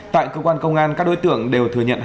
tại cơ quan công an các đối tượng đều thừa nhận